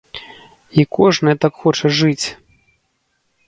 І кожнае так хоча жыць!